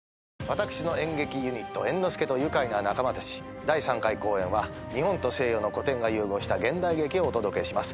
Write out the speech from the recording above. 私の演劇ユニット猿之助と愉快な仲間たち第３回公演は日本と西洋の古典が融合した現代劇をお届けします。